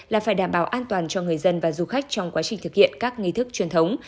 là phải đảm bảo an toàn cho người dân và du khách trong quá trình thực hiện các nghi thức truyền thống